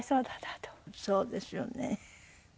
そうですよね。